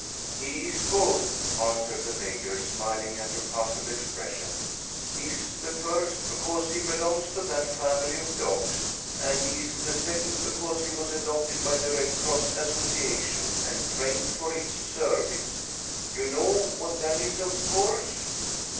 "He is both," answered the Major, smiling at her puzzled expression. "He is the first because he belongs to that family of dogs, and he is the second because he was adopted by the Red Cross Association, and trained for its service. You know what that is, of course."